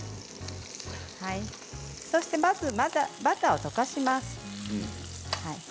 そしてまずバターを溶かします。